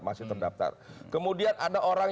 masih terdaftar kemudian ada orang